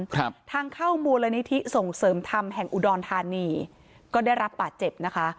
ทางเข้ามูลนิธิส่งเสริมธรรมแห่งอุดรธานีก็ได้รับบาดเจ็บนะคะ